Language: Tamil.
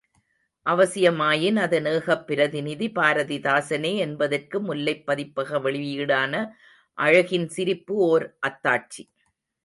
அவசியமாயின், அதன் ஏகப்பிரதிநிதி பாரதிதாசனே என்பதற்கு முல்லைப் பதிப்பக வெளியீடான அழகின் சிரிப்பு ஓர் அத்தாட்சி.